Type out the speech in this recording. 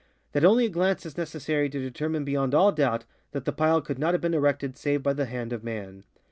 2), that only a glance is necessary to determine beyond all doubt that the pile could not have been erected save by the hand of man.